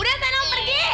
udah sanel pergi